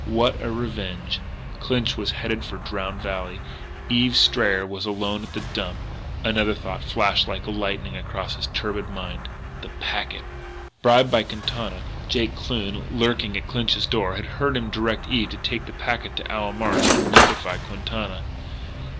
What a revenge!... Clinch was headed for Drowned Valley. Eve Strayer was alone at the Dump.... Another thought flashed like lightning across his turbid mind; the packet! Bribed by Quintana, Jake Kloon, lurking at Clinch's door, had heard him direct Eve to take a packet to Owl Marsh, and had notified Quintana.